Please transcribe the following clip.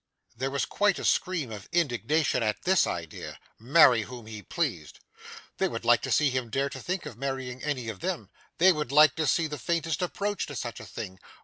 There was quite a scream of indignation at this idea. Marry whom he pleased! They would like to see him dare to think of marrying any of them; they would like to see the faintest approach to such a thing.